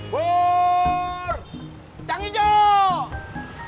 pur cang hijau